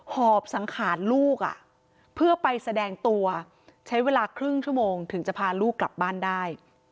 หอบสังขารลูกเพื่อไปแสดงตัวใช้เวลาครึ่งชั่วโมงถึงจะพาลูกกลับบ้านได้